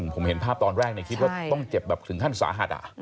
ผมเห็นภาพตอนแรกคิดว่าต้องเจ็บแบบถึงขั้นสาหัส